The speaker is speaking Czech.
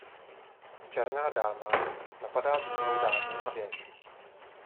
Černá dáma napadá bílou dámu a věž.